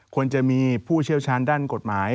ควรจะมีผู้เชี่ยวชาญด้านกฎหมาย